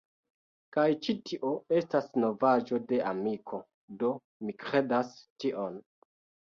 Kaj ĉi tio estas novaĵo de amiko, do mi kredas tion.